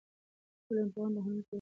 ټولنپوهنه د هنر ټولنیز رول څېړي.